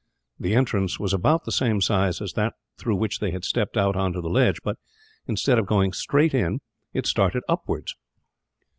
The entrance was about the same size as that through which they had stepped out on to the ledge but, instead of going straight in, it started upwards.